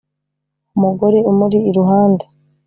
umugore umuri iruhande.